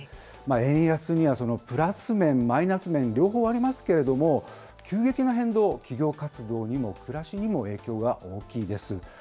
円安にはプラス面、マイナス面、両方ありますけれども、急激な変動、企業活動にも暮らしにも影響が大きいです。